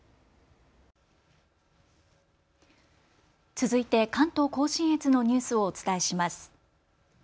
続いて関東甲信越のニュースをお伝えします。